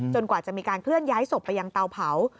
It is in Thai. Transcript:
กว่าจะมีการเคลื่อนย้ายศพไปยังเตาเผา